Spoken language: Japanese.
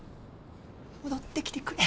戻ってきてくれ。